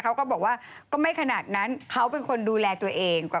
เขาก็บอกว่าก็ไม่ขนาดนั้นเขาเป็นคนดูแลตัวเอง